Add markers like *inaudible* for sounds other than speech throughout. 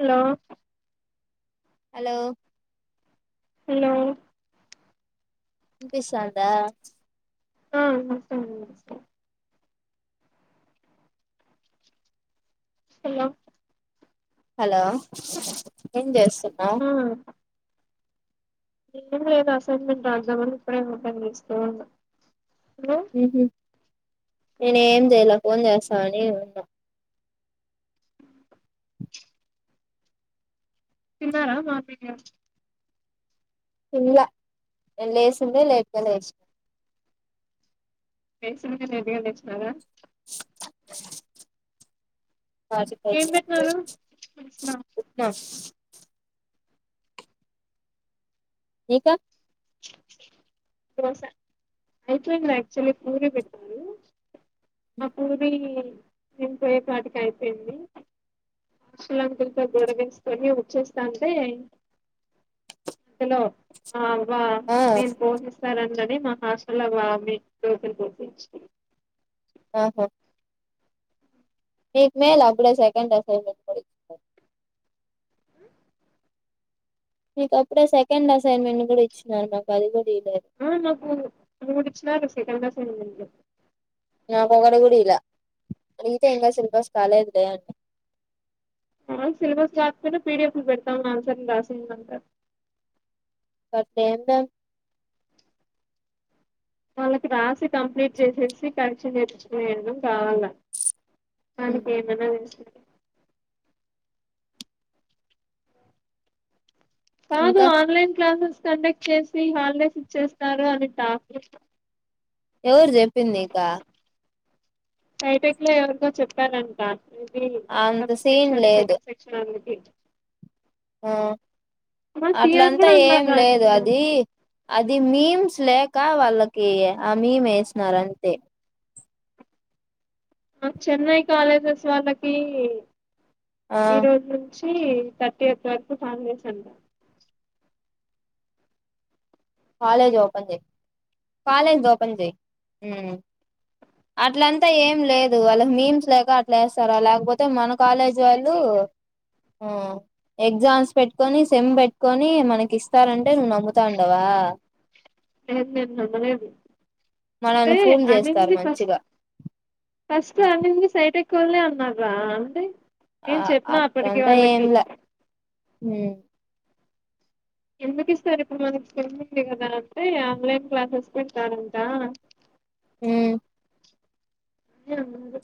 Hello hello hello వినిపిస్తాంద ఆ వినిపిస్తోంది వినిపిస్తుంది హలో హలో ఏం చేస్ తునవ్ ఎమ్ లేదా అసైన్మెంట్ రాద్దామని ఇప్పుడేమపనిందిస్త ఉన్నాం హు హుమ్ నెన్ ఏం జయలే ఫన్ చేసానిన్నా తిన్నారా మా పడి ఇల్లా లేసింది లేట్గా లేచ కేసు ఎదిగా లేసినదా ది సనా ఏం పెట్టినారు *unintelligible* ఉప్మా ఇంకా దోసా అయితే అంద ఆక్చులీ పూరి పెట్టంది ఆ పూరి ఇంపోయేపాటికి అయిపోయింది ఆషలంకులతో గరవేసుకొని వచ్చేస్తాంటే అందులో ఆ బ ఆ నేను పోగిస్త సరందని మహాశల వామి రజలు గుర్తిన్‌చింధి ఆహా మీక్ మేల్ అప్పుడ సకండ్ అసైన్మెంట్ మీక అప్పుడే సెకండ్ అసైన్మెంట్ కూడా ఇచ్చినారు మాకు అది కూడా ఇయలేదు ఆ నాకు మూడుచ్చినరు సెకండ్ అసైన్‌మెంట్ అసైన్‌మెంట్ నాకు ఒకటి కూడా ఇయాలే అంతే ఇంకా సిలబస్ కాలేదు డా ఆ సిలబస్ కా కపోయినా పిడిఎఫ్ పెట్టతాన్ససి అ పతేన్నా వాళ్ళకి రాసి కంప్లీట్ చేసేసి కరెక్షన్ నేర్చుకుయడం కావాల ధనికి ఎమైన చెస్థారు కాదు ఇంకా ఆన్లైన్ క్లాసెస్ కండక్ట్ చేసి హాలిడేస్ ఇచ్చేస్తారు అని టాకింగ్ ఎవరు చెప్పింది నీకా బైటెక్ లో ఎవరికో చెప్పాలంట మబ అంత ఫస్ట్ సీన్ సెక్షన్ లేదు సెకండ్ సెక్షన్ అని ఆ మా సిఆర్ అట్లంతా కూడా ఏం అన్నారా లేదు నిన్న అది అది మీమ్స్ లే ఇంకా వాళ్ళకి ఆ మీమ్ వేసినారంతే చెన్నై కాలేజెస్ వాళ్ళకి ఆ ఈరోజు అక్చుఅల్లీ తర్టీ ఐట్ వరకు *unintelligible* కాలేజ్ ఓపెన్ చెయి కాలేజ్ ఓపెన్ చెయి హ్మ్మ్ అట్లంతా ఏం లేదు వాళ్ళ మీమ్స్ లేక లేస్తారా లేకపోతే మనకు కాలేజ్ వాళ్ళు ఆ ఎగ్జామ్స్ పెట్టుకొని సెమ్ పెట్టుకొని మనకి ఇస్తారంట. అంటే నమ్ముతా ఉండవా ఏం ఎనిమిది వందలేమో మనల్ని అంటే ఫూల్ చేస్తారు అనింది ఫస్ట్ మంచిగా ఫస్ట్ అని సైట్ కులే అన్నార అంటే ఆ నేను చెప్పిన అప్పటికి అట్లాంత వాళ్ళకి ఏంలా హ్మ్మ్ ఎందుకు ఇస్తారు ఇప్పుడు మనకి పమంది కదా అంటే ఆన్లైన్ క్లాసెస్ పెడతారంట. హ్మ్మ్ ఎవరు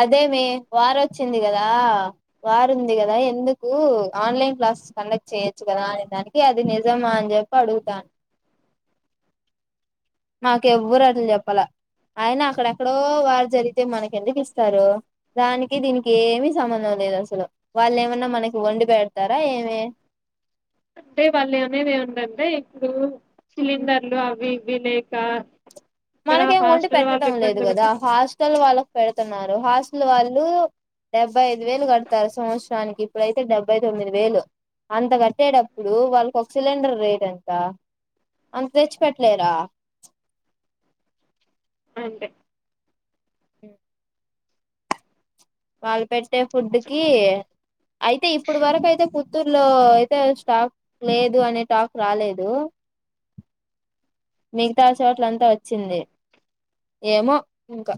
అదేమే వార్ వచ్చింది కదా వారు ఉంది కదా ఎందుకు ఆన్లైన్ క్లాసెస్ కండక్ట్ చెయొచ్చు కదా అనే దానికి అది నిజమా అని చెప్పి అడుగుతాన. మాకేవ్వరు అసలు చెప్పాలే అయిన అక్కడెక్కడో వార్ జరిగితే మనకి ఎందుకు ఇస్తారు దానికి దీనికి ఏమీ సంబంధం లేదు అసలు వాళ్ళు ఏమన్నా మనకి వండి పెడతారా ఏమి. అంటే వాళ్ళు అనేది ఏ ఉందంటే ఇప్పుడు సిలిండర్లు అవి వినాయక మనకేం ఒండి పెట్టడం లేదు కదా పడుతు హాస్టల్ వాళ్ళకు పెడుతున్నారు హాస్టల్ వాళ్ళు డెబ్బై ఐదు వేలు కడతారు సంవత్సరానికి ఇప్పుడయితే డెబ్బై తొమ్మిది వేలు అంత కట్టేటప్పుడు వాళ్ళకి ఒక సిలిండర్ రేట్ ఎంత అంత తెచ్చి పెట్టలేరా. అంతే హ్మ్మ్ వాల్పేట్ టే ఫుడ్ కి అయితే ఇప్పుడు వరకు అయితే ఫు చిత్తూరులో అయితే స్టాక్ లేదు అనే టాక్ రాలేదు మిగతా చోట్ల అంతా వచ్చింది ఏమో ఇంకా.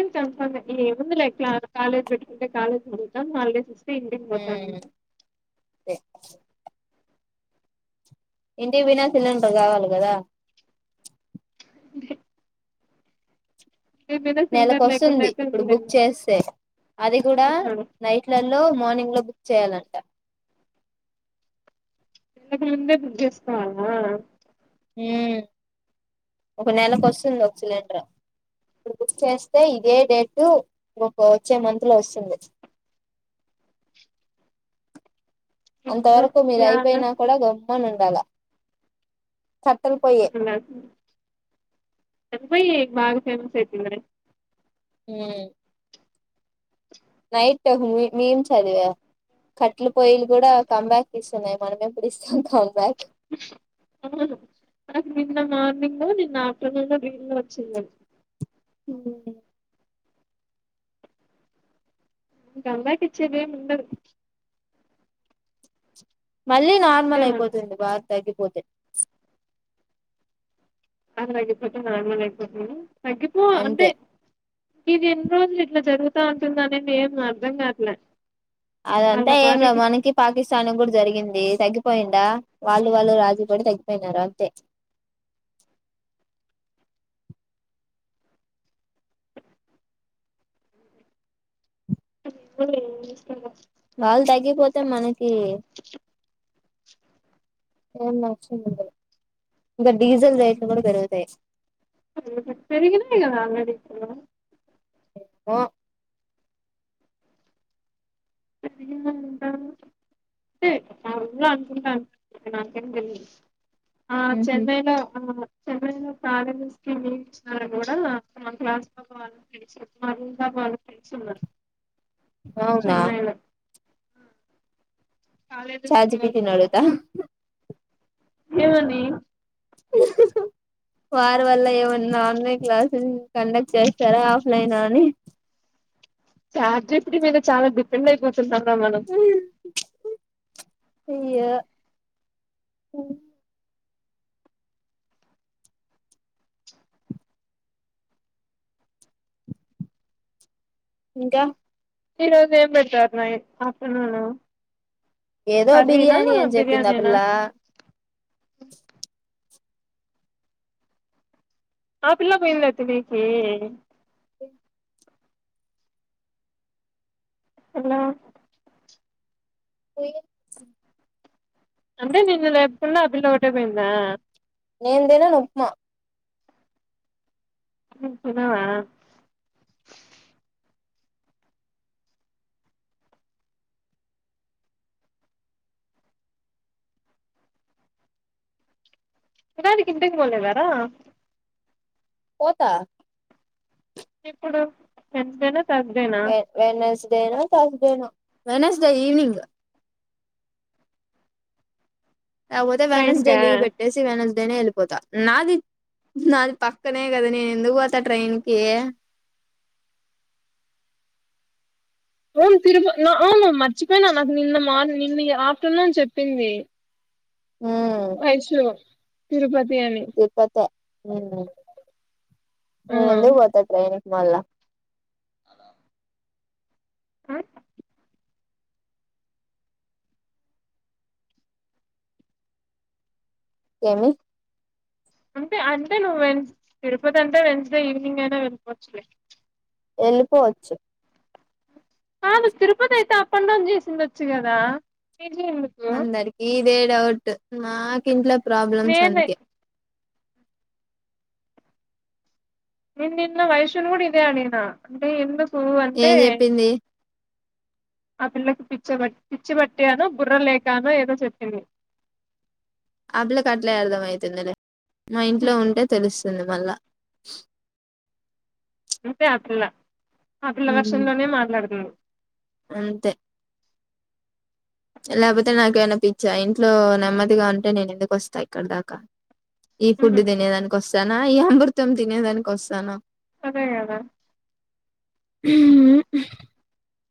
ఎంత అంత ఈ ముందలే క కాలేజ్ బెట్టుకుంటే కాలేజ్ కి ఎల్థం హాలిడేస్ ఇస్ టి ఇంటికి పోతంది ఎ ఇంటికి గిన సిలిండర్ కావాలి కదా అంతే నెలక సిలిండర్ లేకుండా వస్తుంది అయితే ఇప్పుడు బుక్ ఉండలేను చేస్తే అది కూడా అన్నాడు నైట్లలో మార్నింగ్ లో బుక్ చేయాలంట ఇంతకు ముందే బుక్ జేసుకోవాలా హ్ ఒక నెలకు వోస్తుంది. ఒక సిలిండర్ ఇప్పుడు బుక్ చేస్తే ఇదే డేట్ ఇగా వచ్చే మంత్ లో వస్తుంది. అంత అమ్మో వరకు మీది యాడ అయిపోయినా కూడా గమ్మున ఉండాలా *unintelligible* పోయి బగ ఫేమస్ అయిపోయింది కదా హ్ నైట్ మీము చదివా కట్టలు పొయ్యలు కూడా కమ్బ్యాక్ ఇస్తున్నాయి. మనమేప్పుడు ఇస్తాం కం నాకు నిన్న మాట్లాడు నిన్ను నిన్న ఆఫ్టర్నూన్ రీల్లో వచ్చింది. ఉ గంగాకిచ్చేది ఎం ఉండదు. మళ్ళీ నార్మల్ ఏమో అయిపోతుంది. వార్ తగ్గిపోతే అందరిదీ అయిపోతే మనది గూడ అయిపోతుంది. తగ్గిపోవ్ అంతే ఇది ఎన్ని రోజులు ఇట్లా జరుగుతా ఉంటుంది. అనీ ఏం అర్థం కావట్లే అదంతా వాళ్ళ ఏం లేదు పాటికి మనకి పాకిస్తాన్ కి కూడా జరిగింది. తగ్గిపోయింద వాళ్ళు వాళ్ళు రాజి పడి తగ్గిపోయినారు అంతే ఎవలు ఏమి ఇస్తారు వాళ్ళు తగ్గిపోతే మన ఏమన్నా అక్షంతలు. పెరిగినవి కదా ఇక్కడ నో *unintelligible* అనుకుంట నాకు ఎం తెలియాదు. ఆ చెన్నైలో ఆ చెన్నైలో ప్రాథమీ స్కీం ఇచ్చిన కూడా మా క్లాస్ *unintelligible* వాళ్ళ ఫ్రెండ్స్ ఉన్నారు అవునా చెన్నైలో colleges chat G P close T నీ అంట అడుగుతా ఏమని వారి వల్ల ఏమన్నా ఆన్లైన్ క్లాసెస్ కండక్ట్ చేస్తారా ఆఫ్లైన్ అని చాట్ జి పి టి నీ నేను చాలా డిఫరెంట్ అయి పొద్ది *unintelligible* మేడం అయ్యో ఇంకా ఈ రోజు ఏం పెట్టారు న ఆఫ్టర్నూను ఏదో బిర్యానీ అని చెప్పింది ఆ బిర్యానీనా పిల్ల ఆ పిల్ల పోయిందా తినానికి ఎలా పోయిచ్చింది అంటే నిన్ను లేపకుండా ఆ పిల్ల ఒకటే పోయిందా నేను తినను ఉప్మా నువ్ తినవా తినానికి ఇంటికి పోలే వరా పోతా ఇప్పుడు *unintelligible* ఏ Wednesday no Thursday no Wednesday evening కపోతే ట్రైన్ వెనస్డే కా లీవ్ బేట్టేసి వెనస్ నేనే ఎళ్ళిపోత నాది నాది పక్కనే గదనే నేను ఎందుకు పోతా ట్రైన్ కీ ఓం తిరుప న ఓం అ అవు మర్చిపోయిన నాకు నిన్న మార్నీ నిన్న ఆఫ్టర్నూన్ చెప్పింది. హ్మ్ వయసులో తిరుపతి అని తిరుప్పతే హ్మ్ ఆ నేను ఎందుకు పోతా ట్రైన్ వాళ్ళ ఏమి అంటే అంటే నువ్వు వె తిరుపతి అంటే వెన్స్డే ఈవినింగ్ అయిన వెళ్ళిపోవచ్చులే ఎళ్ళిపోవచ్చు ఆ తిరుపతి అయితే అప్ అండ్ డౌన్ చేసిండొచ్చు కదా పీజీ ఎందుకు అందరికి ఇదే డౌట్ ద నా కింట్లో ప్రాబ్లమ్స్ నేనే అందుకే నేను నిన్న వైషును కూడా ఇదే అనినా అంటే ఎందు ఏం జెప్పింది ఆ పిల్లకి పిచ్చ బ పిచ్చిబట్టిను బుర్ర లేకాను ఏదో చెప్పింది అ పిల్లకు అట్లే అర్థం అయితుందిలే మా ఇంట్లో ఉంటే తెలుసు తింది మల్ల అంతే ఆ పిల్ల ఆ పిల్ల హ్మ్ వర్షంలోనే మాట్లాడుతుంది లేపోతే నాకే మన్నా పిచ్చా ఇంట్లో నెమ్మదిగా ఉంటే నేను ఎందుకు వస్తా ఇక్కడ దాకా ఈ ఫుడ్ తినేదానికి వస్తానా అయ్యో అమృతం తినేదానికి ఓస్తానా అదే గదా హ్మ్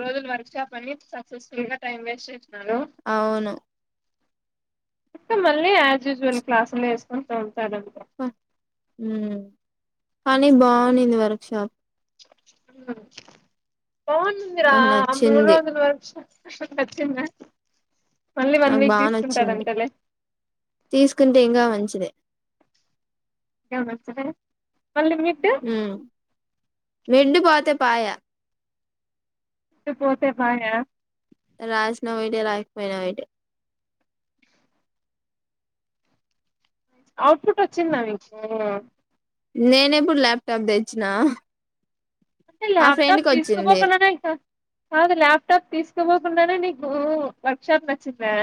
రోజులు వర్క్ షాప్ అని సక్సెస్ ఫుల్గా టైం వేస్ట్ చే అవును మళ్ళీ యాజ్ యూజువల్ క్లాసులు ఏసుకుంటూ ఉంటారండి ప హ్మ్ కానీ బావుండింది వర్క్ షాప్ ఉ పోనుందరా నాకు ఆ మూడు నచ్చింది రోజులు వర్షం ఆశోకు నచ్చిందా. మళ్ళీ వన్ నాకు వీక్ బానచ్చింది తీసుకుంటాడంటలే తీసుకుంటే ఇంగా మం చిదే ఎం నచ్చలే హా మిడు పోతే పాయె. మిడ్ పోతే పాయ రాసిన పోయితయి రాయకపోయినా పొయితయి. ఔట్పుట్ వచ్చిందా మీకు. నేనెప్పుడు ల్యాప్టాప్ తెచ్చినా. అంటే మా ఫ్రెండ్ ల్యాప్టాప్ కి వచ్చింది తీసుకపోకుండనే ఇంత కాదు ల్యాప్టాప్ తీసుకపో కుండానే నీకు వర్క్ షాప్ నచ్చిందా.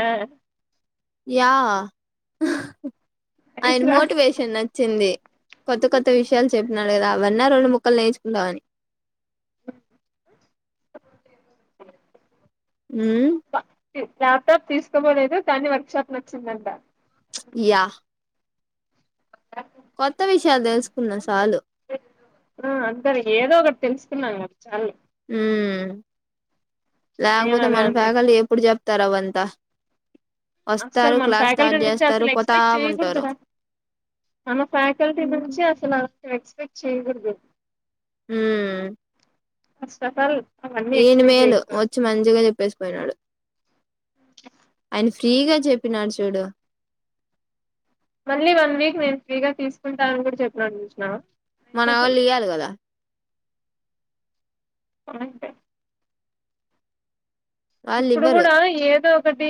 యా ఆయన నైస్ రా మోటివేషన్ నచ్చింది. కొత్త కొత్త విషయాలు చెప్పినాడు కదా అవన్నా రెండు ముక్కలు నేర్చుకుందాం అని. *inaudible* హు ల్యాప్టాప్ తీసుకపోలేదు కానీ వర్క్ షాప్ నచ్చిందంట. యా కొత్త విషయాలు తెలుసుకన్న సాలు. ఆ అంతేలె ఏదో ఒకటి తెలుసుకున్నాము చాలులే. హ్మ్ నేను లేకపోతే అదే మన అనుకున్నా ఫ్యాకల్టీ ఎప్పుడు చెప్తారు అవంతా. అసలు వస్తారు మన క్లాస్ ఫ్యాకల్టీ స్టార్ట్ నుంచి చేస్తారు అసలు పోతా ఎక్స్పెక్ట్ ఉంటారు చేయకూడదురా. మన ఫ్యాకల్టీ నుంచి అసలు ఎక్స్పెక్ట్ చేయకూడదు. హ ఫస్ట్ ఆఫ్ ఆల్ అవన్నీ ఈన ఎక్స్పెక్ట్ మేలు చేయకూడదు వచ్చి మంచిగా చెప్పేసి పోయినాడు. ఆయన ఫ్రీగా చెప్పినాడు చూడు. మళ్ళీ వన్ వీక్ నేను ఫ్రీగా తీసుకుంటానని కూడా చెప్పినాడు చూసినవ. మన వాళ్ళు ఇయాలి కదా. అంటే వాళ్ళు ఇప్పుడు ఇవ్వరు కూడా ఏదో ఒకటి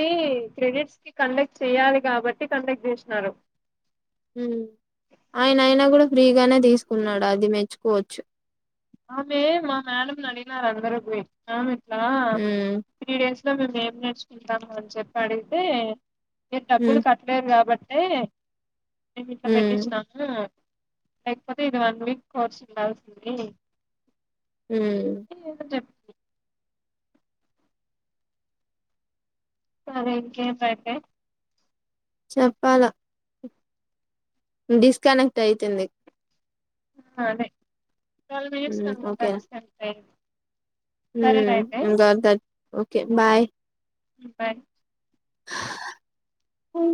క్రెడిట్స్కి కండక్ట్ చేయాలి కాబట్టి కండక్ట్ చేశినారు. ఉ ఆయన అయినా కూడా ఫ్రీగానే తీసుకున్నాడు అది మెచ్చుకోవచ్చు. ఆమె మా మేడంని అడిగినారు అందరు పోయి ఆమె ఇట్లా మ్మ్ త్రీ డేస్ ఇందులో మేము ఏం నేర్చుకుంటాము అని చెప్పి అడిగితే నేను డబ్బులు మ్మ్ కట్టలేదు కాబ టే నేను ఇట్ల మ్మ్ పెట్టిచ్చినాను. లేకపోతే, ఇది వన్ వీక్ కోర్స్ ఉండాల్సింది. ఉమ్ అని ఏదో చెప్తుంది సరే ఇంకెంటయితే? చెప్పాలా? డిస్కనెక్ట్ అయితుంది. అదే ట్వెల్వ్ మినట్స్ అనుకుంటాను, సర్ టైమ్. ఉమ్ ఇగ అంతే, ఓకే బాయ్. బరి హ